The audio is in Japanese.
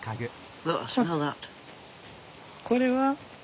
これは？